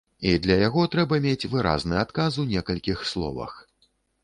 І для яго трэба мець выразны адказ у некалькіх словах.